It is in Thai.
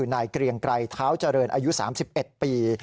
นายเกรียงไกรเท้าเจริญอายุ๓๑ปี